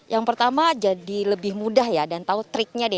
yang pertama jadi lebih mudah ya dan tahu triknya deh